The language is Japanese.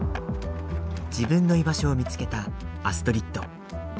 自分の居場所を見つけたアストリッド。